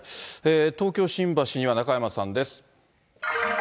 東京・新橋には中山さんです。